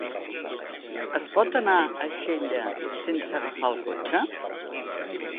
Es pot anar a Xella sense agafar el cotxe?